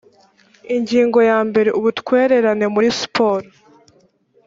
ingingo ya mbere ubutwererane muri siporo